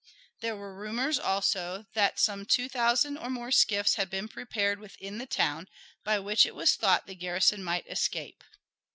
There were rumors also that some two thousand or more skiffs had been prepared within the town, by which it was thought the garrison might escape.